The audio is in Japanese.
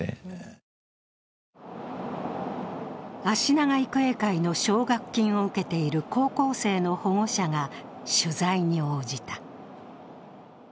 あしなが育英会の奨学金を受けている高校生の保護者が取材に応じた。